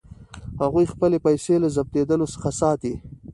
هغوی خپلې پیسې له ضبظېدلو څخه ساتي.